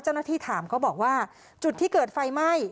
ถามเขาบอกว่าจุดที่เกิดไฟไหม้